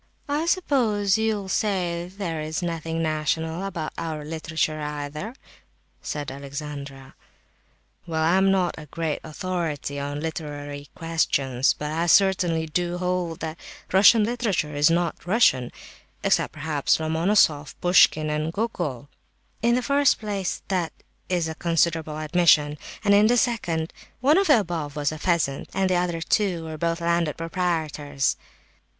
"I suppose you'll say there is nothing national about our literature either?" said Alexandra. "Well, I am not a great authority on literary questions, but I certainly do hold that Russian literature is not Russian, except perhaps Lomonosoff, Pouschkin and Gogol." "In the first place, that is a considerable admission, and in the second place, one of the above was a peasant, and the other two were both landed proprietors!"